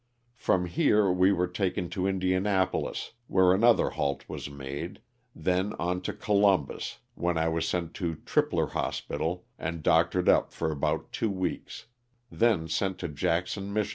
From here we were taken to Indianapolis where another halt was made, then onto Columbus, when I was sent to Tripler hospital and doctored up for about two weeks ; then sent to Jackson, Mich.